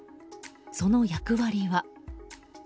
その役割は。